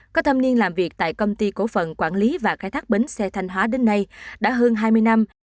có thâm niên làm việc tại công ty cổ phần quản lý và khai thác bến xe thanh hóa đến nay đã hơn hai mươi năm